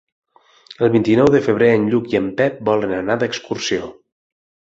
El vint-i-nou de febrer en Lluc i en Pep volen anar d'excursió.